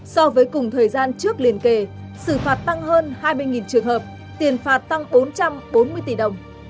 so với cùng thời gian trước liên kề xử phạt tăng hơn hai mươi trường hợp tiền phạt tăng bốn trăm bốn mươi tỷ đồng